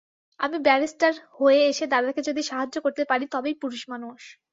আমি ব্যারিস্টার হয়ে এসে দাদাকে যদি সাহায্য করতে পারি তবেই পুরুষমানুষ।